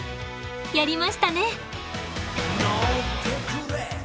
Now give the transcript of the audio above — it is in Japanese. やりましたね！